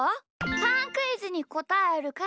パンクイズにこたえるか